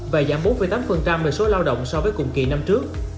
và giảm bốn tám về số lao động so với cùng kỳ năm trước